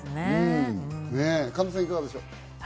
神田さん、いかがでしょう？